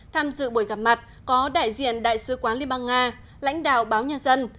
tham dự buổi gặp mặt có đại diện đại sứ quán liên bang nga lãnh đạo báo nhân dân